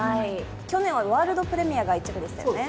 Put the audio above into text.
去年はワールドプレミアが１着でしたよね。